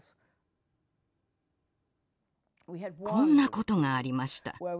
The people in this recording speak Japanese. こんなことがありました。